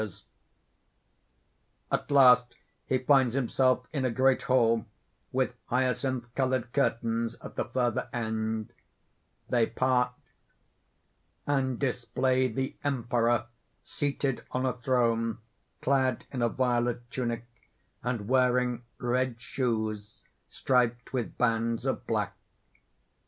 The light falls from the vaults above] _At last he finds himself in a great hall, with hyacinth colored curtains at the further end. They part, and display the Emperor seated on a throne, clad in a violet tunic, and wearing red shoes striped with bands of black.